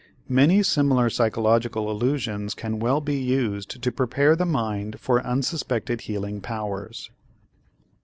Many similar psychological illusions can well be used to prepare the mind for unsuspected healing powers.